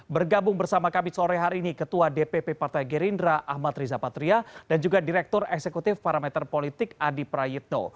bergabung bersama kami sore hari ini ketua dpp partai gerindra ahmad riza patria dan juga direktur eksekutif parameter politik adi prayitno